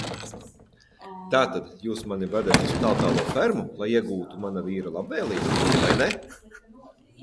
Tātad Jūs mani vedat uz Tāltālo Fermu, lai iegūtu mana vīra labvēlību, vai ne?